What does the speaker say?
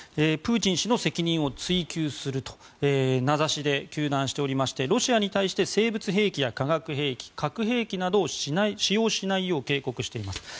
プーチン氏の責任を追及すると名指しで批判しておりましてロシアに対して生物兵器や化学兵器核兵器などを使用しないよう警告しています。